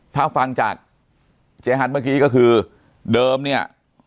ถ้าฟังจากเจ๊ฮันเมื่อกี้ก็คือเดิมเนี่ย